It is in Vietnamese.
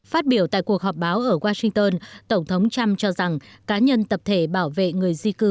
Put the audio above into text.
phát biểu tại cuộc họp báo ở washington tổng thống trump cho rằng cá nhân tập thể bảo vệ người di cư